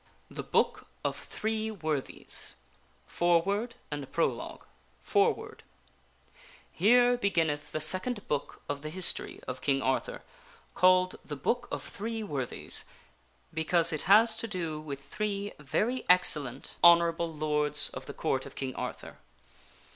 The BOOK of THREE WORTHIES Fotetootb* HERE beginneth the Second Book of the History of King Arthur, called The Book of Three Worthies, because it has to do with three very excellent, honorable Lords of the Court of King Arthur.